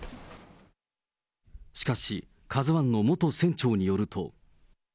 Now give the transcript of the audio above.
しかし、カズワンの元船長によると。